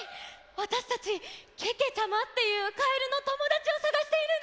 わたしたちけけちゃまっていうカエルのともだちをさがしているんです！